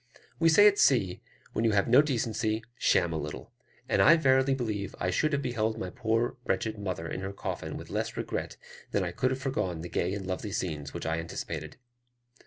We say at sea, "When you have no decency, sham a little;" and I verily believe I should have beheld my poor mother in her coffin with less regret than I could have foregone the gay and lovely scenes which I anticipated.